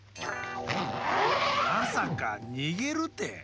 まさかにげるて！